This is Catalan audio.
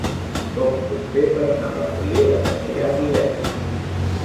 Com ho puc fer per anar a la Riera de Gaià divendres?